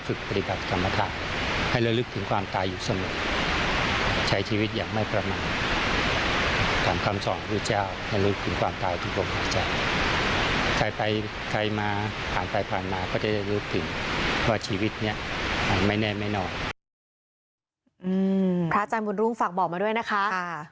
พระอาจารย์บุญรุ่งฝากบอกมาด้วยนะคะ